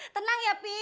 tenang ya pi